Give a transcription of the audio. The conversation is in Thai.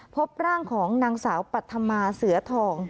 พบร่างของนางสาวปัธมาเสือทอง